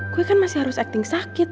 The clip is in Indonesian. gue kan masih harus acting sakit